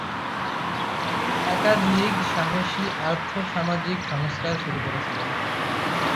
তিনি একাধিক সাহসী আর্থ-সামাজিক সংস্কার শুরু করেছিলেন।